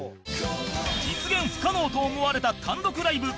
実現不可能と思われた単独ライブ